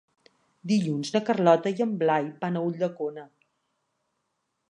Dilluns na Carlota i en Blai van a Ulldecona.